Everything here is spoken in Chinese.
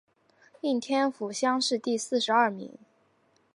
应天府乡试第四十二名。